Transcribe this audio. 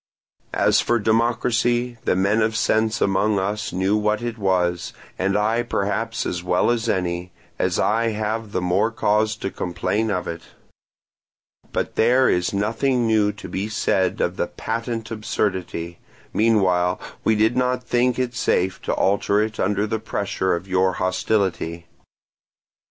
As for democracy, the men of sense among us knew what it was, and I perhaps as well as any, as I have the more cause to complain of it; but there is nothing new to be said of a patent absurdity; meanwhile we did not think it safe to alter it under the pressure of your hostility.